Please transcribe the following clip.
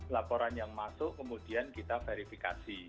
laporan yang masuk kemudian kita verifikasi